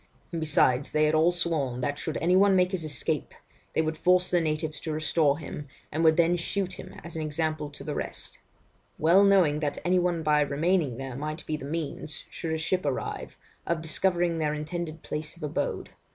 And besides, they had all sworn that should any one make his escape, they would force the natives to restore him, and would then shoot him as an example to the rest; well knowing, that any one by remaining there might be the means (should a ship arrive) of discovering their intended place of abode.